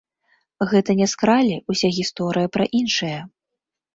Гэта не скралі, уся гісторыя пра іншае.